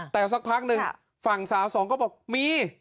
แต่สักพักหนึ่งฝั่งสาวสองก็บอกมี